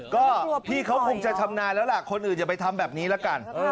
ก็พี่เขาคงจะชำนาญแล้วล่ะคนอื่นอย่าไปทำแบบนี้ละกัน